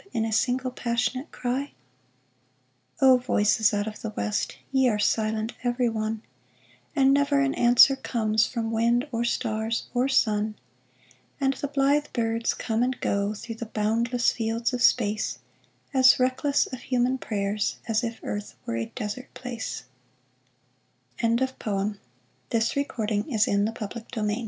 In a single passionate cry ? O voices out of the West, Ye are silent every one, And never an answer comes From wind, or stars, or sun ! And the blithe birds come and go Through the boundless fields of space, As reckless of human prayers As if earth were a desert place I